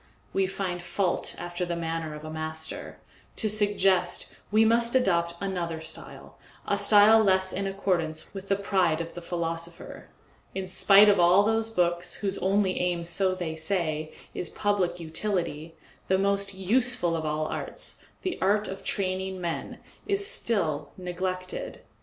We find fault after the manner of a master; to suggest, we must adopt another style, a style less in accordance with the pride of the philosopher. In spite of all those books, whose only aim, so they say, is public utility, the most useful of all arts, the art of training men, is still neglected.